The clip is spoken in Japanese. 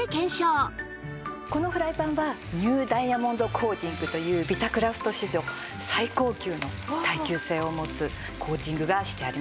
このフライパンはニューダイヤモンドコーティングというビタクラフト史上最高級の耐久性を持つコーティングがしてあります。